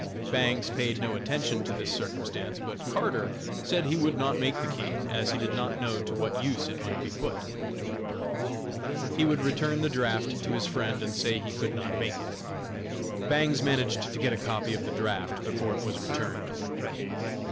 Bangs paid no attention to this circumstance, but Carter said he would not make the key, as he did not know to what use it might be put. He would return the draft to his friend and say he could not make it. Bangs managed to get a copy of the draft before it was returned.